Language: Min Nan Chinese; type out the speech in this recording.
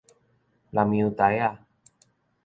南洋 𩸙 仔